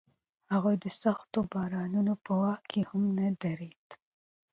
هغه د سختو بارانونو په وخت کې هم نه درېده.